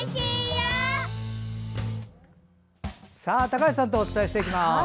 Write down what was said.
高橋さんとお伝えしていきます。